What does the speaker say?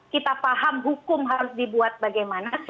kita paham hukum harus dibuat bagaimana